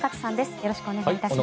よろしくお願いします。